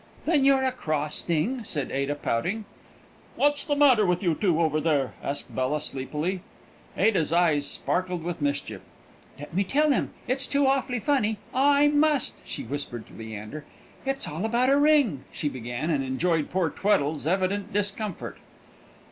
"Then you're a cross thing!" said Ada, pouting. "What's the matter with you two, over there?" asked Bella, sleepily. Ada's eyes sparkled with mischief. "Let me tell them; it is too awfully funny. I must!" she whispered to Leander. "It's all about a ring," she began, and enjoyed poor Tweddle's evident discomfort.